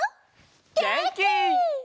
げんき！